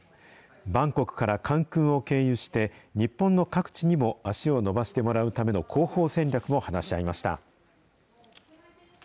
バンコクから関空を経由して、日本の各地にも足を伸ばしてもらうための広報戦略も話し合いました。